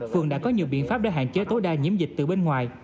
phường đã có nhiều biện pháp để hạn chế tối đa nhiễm dịch từ bên ngoài